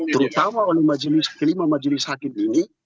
terutama oleh kelima majelis hakim ini